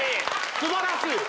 素晴らしい！